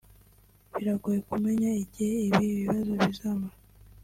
Biragoye kumenya igihe ibi bibazo bizamara